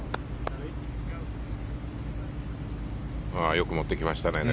よく持っていきましたね。